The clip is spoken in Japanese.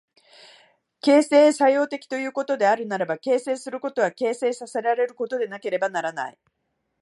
形成作用的ということであるならば、形成することは形成せられることでなければならない。